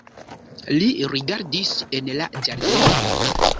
Li rigardis en la ĝardenon.